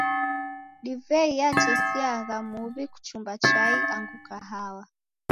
Divei yatesiagha muw'I kuchumba chai angu kahawa.